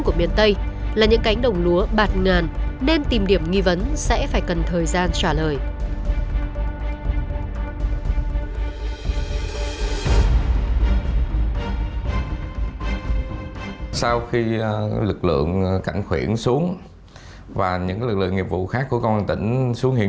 các bạn hãy đăng ký kênh để ủng hộ kênh của mình nhé